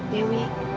dewi kamu tahu nggak